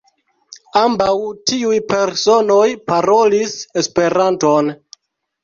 Ambaŭ tiuj personoj parolis Esperanton.